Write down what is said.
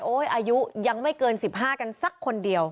อายุยังไม่เกิน๑๕กันสักคนเดียว